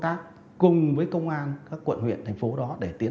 cố gắng chúng tôi sẽ cử một tổ công tác cùng với công an các quận huyện thành phố đó để tiến